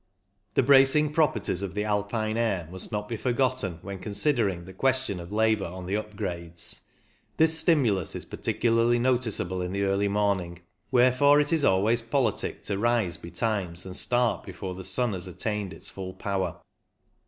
The bracing properties of the Alpine air must not be forgotten when considering the question of labour on the up grades. This stimulus is particularly noticeable in the early morning ; wherefore it is always politic to rise betimes and start before the sun has attained its full power.